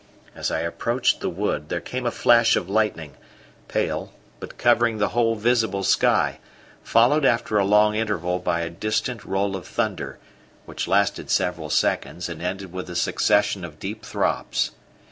As I approached the wood, there came a flash of lightning, pale, but covering the whole visible sky, followed after a long interval by a distant roll of thunder, which lasted several seconds and ended with a succession of deep throbs.